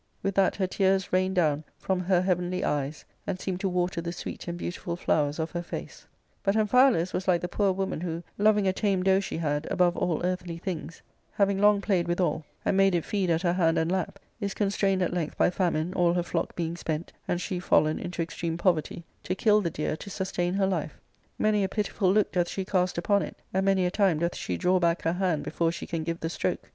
With that her tears rained down from her heavenly eyes, and seemed to water the sweet and beautiful flowers of her face. But Amphialus was like the poor woman who, loving a tame doe she had above all earthly things, having long played wilhal and made it feed at her hand and lap, is constrained at length by famine, all her flock being spent, and she fallen into extreme poverty, to kill the deer to sustain her life* Many a pitiful look doth she cast upon it, and many a time doth she draw back her hand before she can give the stroke.